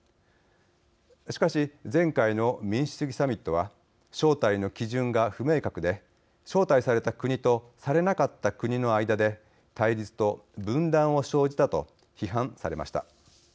しかし、前回の民主主義サミットは招待の基準が不明確で招待された国とされなかった国の間で対立と分断を生じたと批判されました。